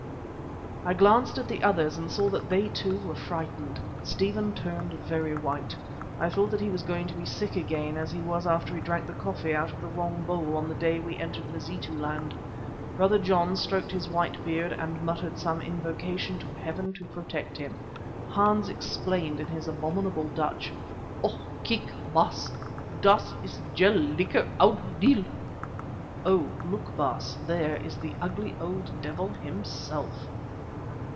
I glanced at the others and saw that they, too, were frightened. Stephen turned very white. I thought that he was going to be sick again, as he was after he drank the coffee out of the wrong bowl on the day we entered Mazitu land. Brother John stroked his white beard and muttered some invocation to Heaven to protect him. Hans exclaimed in his abominable Dutch: "Oh! keek, Baas, da is je lelicher oud deel!" ("Oh! look, Baas, there is the ugly old devil himself!")